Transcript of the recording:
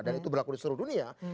dan itu berlaku di seluruh dunia